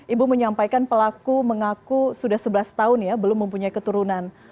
ibu menyampaikan pelaku mengaku sudah sebelas tahun ya belum mempunyai keturunan